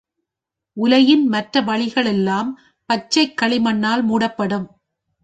உலையின் மற்ற வழிகளெல்லாம் பச்சைக் களிமண்ணால் மூடப்படும்.